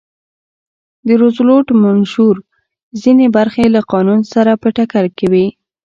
د روزولټ منشور ځینې برخې له قانون سره په ټکر کې وې.